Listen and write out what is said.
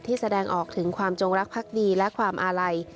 ที่แสดงออกถึงความจงรักพรรคดีและความอาไหล